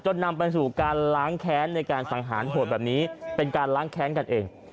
นำไปสู่การล้างแค้นในการสังหารโหดแบบนี้เป็นการล้างแค้นกันเอง